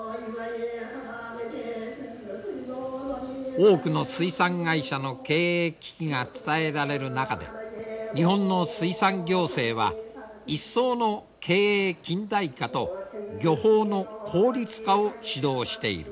多くの水産会社の経営危機が伝えられる中で日本の水産行政は一層の経営近代化と漁法の効率化を指導している。